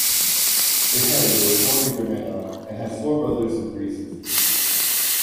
Beharry was born in Grenada, and has four brothers and three sisters.